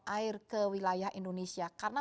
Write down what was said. air ke wilayah indonesia karena